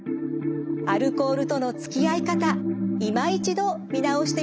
アルコールとのつきあい方いま一度見直してみませんか？